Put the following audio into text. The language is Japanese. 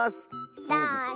どうぞ。